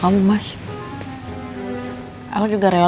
kamu ijazah sama kami nunggu nunggu zitcoin